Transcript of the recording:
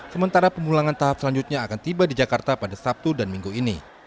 sementara pemulangan tahap selanjutnya akan tiba di jakarta pada sabtu dan minggu ini